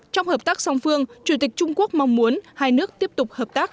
trong hợp tác song phương chủ tịch trung quốc mong muốn hai nước tiếp tục hợp tác